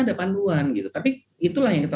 ada panduan gitu tapi itulah yang kita